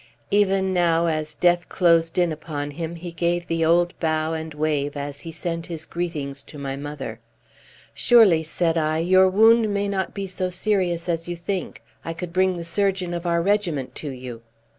Even now as death closed in upon him, he gave the old bow and wave as he sent his greetings to my mother. "Surely," said I, "your wound may not be so serious as you think. I could bring the surgeon of our regiment to you."